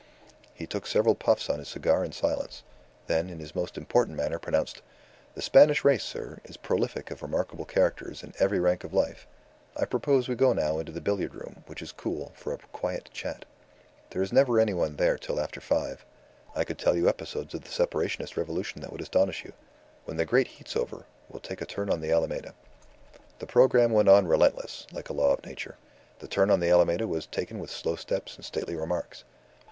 He took several puffs at his cigar in silence; then, in his most important manner, pronounced: "The Spanish race, sir, is prolific of remarkable characters in every rank of life. ... I propose we go now into the billiard room, which is cool, for a quiet chat. There's never anybody there till after five. I could tell you episodes of the Separationist revolution that would astonish you. When the great heat's over, we'll take a turn on the Alameda." The programme went on relentless, like a law of Nature. The turn on the Alameda was taken with slow steps and stately remarks.